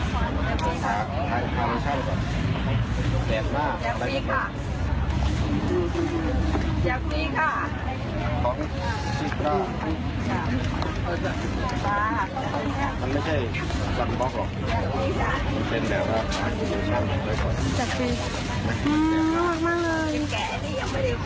มักมากเลย